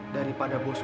dari pada bosmu